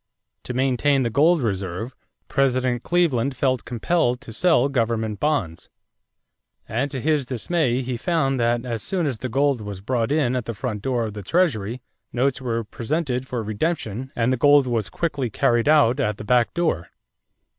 To maintain the gold reserve, President Cleveland felt compelled to sell government bonds; and to his dismay he found that as soon as the gold was brought in at the front door of the Treasury, notes were presented for redemption and the gold was quickly carried out at the back door.